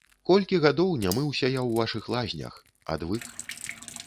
Колькі гадоў не мыўся я ў вашых лазнях, адвык.